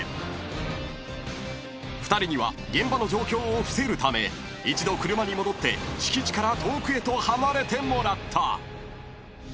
［２人には現場の状況を伏せるため一度車に戻って敷地から遠くへと離れてもらった］